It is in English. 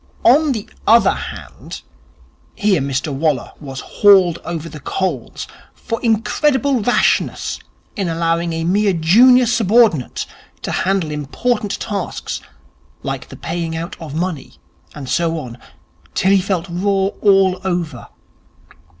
On the other hand ! Here Mr Waller was hauled over the coals for Incredible Rashness in allowing a mere junior subordinate to handle important tasks like the paying out of money, and so on, till he felt raw all over.